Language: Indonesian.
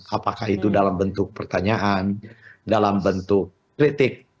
apakah itu dalam bentuk pertanyaan dalam bentuk kritik